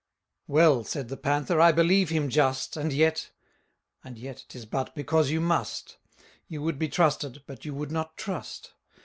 Well, said the Panther, I believe him just, And yet And yet, 'tis but because you must; You would be trusted, but you would not trust.